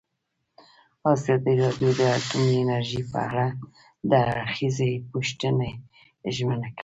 ازادي راډیو د اټومي انرژي په اړه د هر اړخیز پوښښ ژمنه کړې.